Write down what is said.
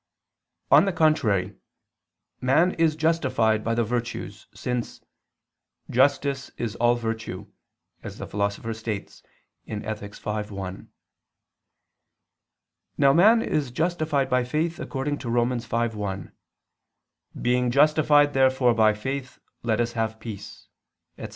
On the contrary, Man is justified by the virtues, since "justice is all virtue," as the Philosopher states (Ethic. v, 1). Now man is justified by faith according to Rom. 5:1: "Being justified therefore by faith let us have peace," etc.